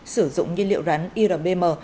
sử dụng nhiên liệu rắn iran